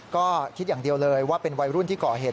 ก็คิดอย่างเดียวเลยว่าเป็นวัยรุ่นที่ก่อเหตุ